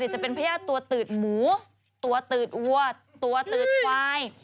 จะเป็นพญาติตัวเตือดหมูตัวเตือดอวดตัวเตือดวาย